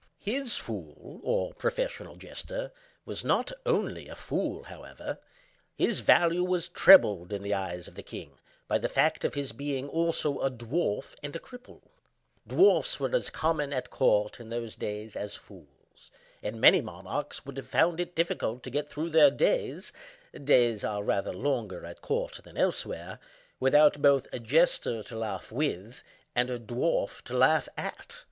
His fool, or professional jester, was not only a fool, however. His value was trebled in the eyes of the king, by the fact of his being also a dwarf and a cripple. Dwarfs were as common at court, in those days, as fools; and many monarchs would have found it difficult to get through their days (days are rather longer at court than elsewhere) without both a jester to laugh with, and a dwarf to laugh at.